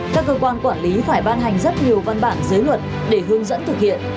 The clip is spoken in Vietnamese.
các cơ quan quản lý phải ban hành rất nhiều văn bản dưới luật để hướng dẫn thực hiện